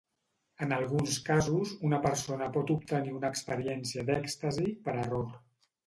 En alguns casos, una persona pot obtenir una experiència d'èxtasi "per error".